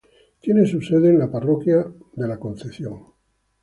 Tiene su sede en la Parroquia de la Purísima Concepción.